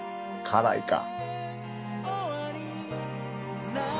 辛いか。